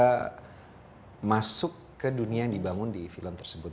bisa masuk ke dunia yang dibangun di film tersebut